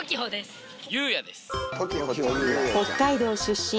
北海道出身